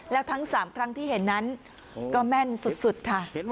แล้วทั้ง๓ครั้งที่เห็นนั้นก็แม่นสุดค่ะ